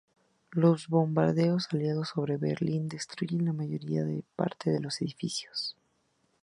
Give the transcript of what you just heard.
Los bombardeos aliados sobre Berlín, destruyeron la mayor parte de los edificios.